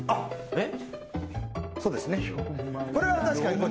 えっ！？